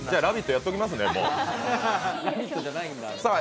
やっておきますね